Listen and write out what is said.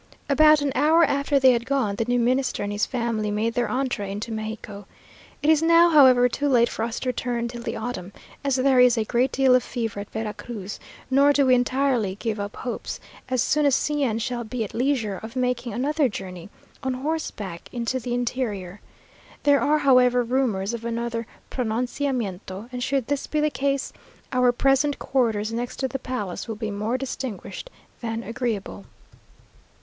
About an hour after they had gone, the new Minister and his family made their entree into Mexico. It is now, however, too late for us to return till the autumn, as there is a great deal of fever at Vera Cruz; nor do we entirely give up hopes, as soon as C n shall be at leisure, of making another journey on horseback into the interior. There are, however, rumours of another pronunciamiento, and should this be the case, our present quarters next to the palace will be more distinguished than agreeable.